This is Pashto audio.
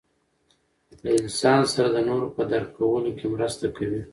له انسان سره د نورو په درک کولو کې مرسته کوي.